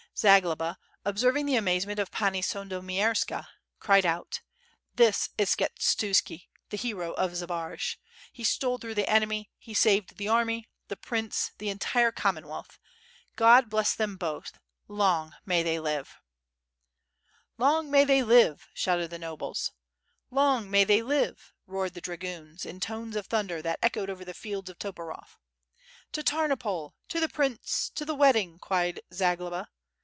Zagloba, observing the amazement of Pani Sandomierska cried out: "This is Skshetuski, the hero of Zbaraj. He stole through the enemy, he saved the army, the prince, the entire Com monwealth. God bless them both! long may they live!" WITH FIRE AND SWORD. 809 "Long may they live!" shouted the nobles. "Long may they live!" roared the dragoons^ in tones of thunder that echoed over the fields of Toporov. ... "To Tamopol! to the prince! to the wedding!" cried Za globa.